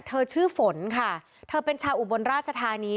ชื่อฝนค่ะเธอเป็นชาวอุบลราชธานี